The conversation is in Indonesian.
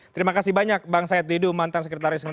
terima kasih banyak bang said didu mantan sekretaris